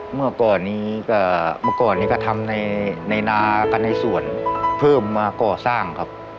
เมื่อก่อนนี้ก็ทำในน้ากับในสวนเพิ่มมาก่อสร้างครับ